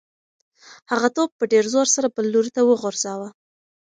هغه توپ په ډېر زور سره بل لوري ته وغورځاوه.